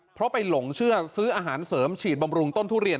เพราะไปหลงเชื่อซื้ออาหารเสริมฉีดบำรุงต้นทุเรียน